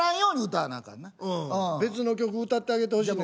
別の曲歌ってあげてほしい。